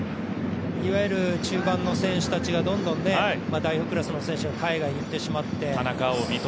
いわゆる中盤の選手たちがどんどん、代表クラスの選手たちが海外に行ってしまって。